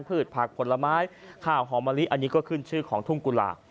ผักผลไม้ข้าวหอมมะลิอันนี้ก็ขึ้นชื่อของทุ่งกุหลาบ